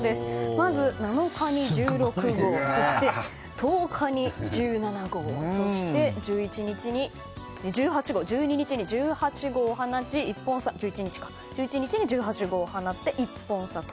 まず７日に１６号そして１０日に１７号そして１１日に１８号を放って１本差と。